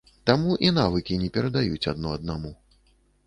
Таму і навыкі не перадаюць адно аднаму.